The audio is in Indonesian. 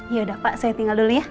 yaudah pak saya tinggal dulu ya